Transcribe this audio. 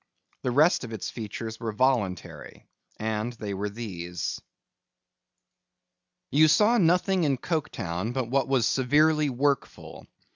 The rest of its features were voluntary, and they were these. You saw nothing in Coketown but what was severely workful.